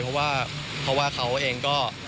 เพราะว่าเขาเองก็